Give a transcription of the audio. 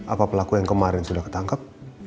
apa pelaku yang kemarin sudah ketangkep